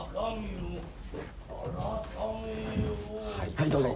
はいどうぞ。